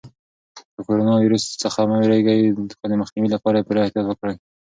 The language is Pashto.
له کرونا ویروس څخه مه وېرېږئ خو د مخنیوي لپاره یې پوره احتیاط وکړئ.